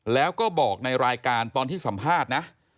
แล้วก็บอกในรายการตอนที่สัมภาษณ์นะ